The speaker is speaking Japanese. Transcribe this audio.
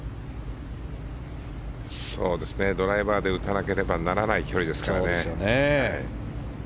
ドライバーで打たなければならない距離ですからね。